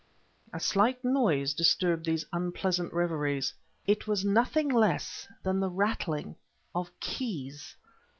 A slight noise disturbed these unpleasant reveries. It was nothing less than the rattling of keys!